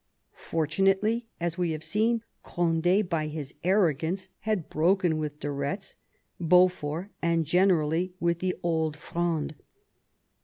Fortunately, as we have seen, Cond^, by his arrogance, had broken with de Retz, Beaufort, and generally with the Old Fronde.